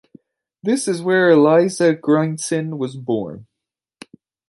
This is where Elisa Griensen was born.